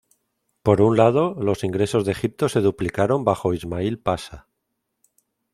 Por un lado, los ingresos de Egipto se duplicaron bajo Ismail Pasha.